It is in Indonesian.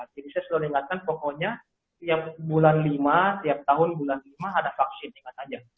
jadi saya selalu ingatkan pokoknya tiap bulan lima tiap tahun bulan lima ada vaksin ingat aja